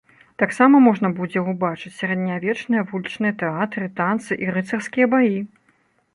Таксама можна будзе убачыць сярэднявечныя вулічныя тэатры, танцы і рыцарскія баі.